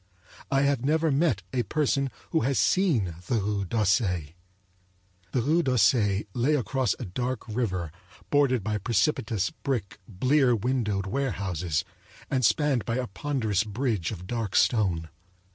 I have never met a person who has seen the Rue d'Auseil. The Rue d'Auseil lay across a dark river bordered by precipitous brick blear windowed warehouses and spanned by a ponderous bridge of dark stone.